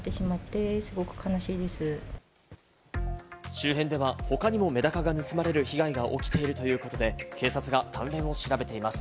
周辺では他にもメダカが盗まれる被害が起きているということで、警察が関連を調べています。